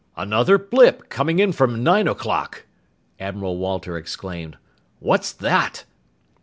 "Another blip coming in from nine o'clock!" Admiral Walter exclaimed. "What's that?"